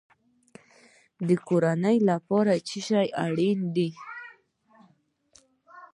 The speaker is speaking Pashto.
د کورنۍ لپاره څه شی اړین دی؟